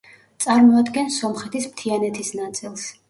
წარმოადგენს სომხეთის მთიანეთის ნაწილს.